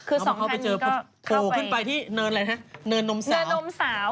เอามาเข้าไปเจอโผล่ขึ้นไปที่เนินนมสาว